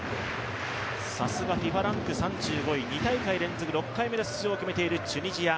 さすがＦＩＦＡランク３５位、２大会連続、６回目の出場を決めているチュニジア。